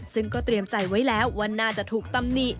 ซึ่งก็เตรียมใจไว้แล้วว่าน่าจะถูกตำหนิ